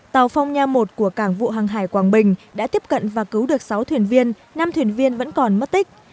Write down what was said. tàu phong nha một của cảng vụ hàng hải quảng bình đã tiếp cận và cứu được sáu thuyền viên năm thuyền viên vẫn còn mất tích